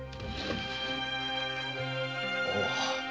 おう。